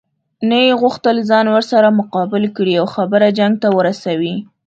نه یې غوښتل ځان ورسره مقابل کړي او خبره جنګ ته ورسوي.